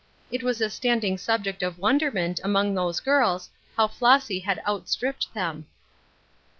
It was a standing subject of wonderment among those girls how Flossj had outstripped them.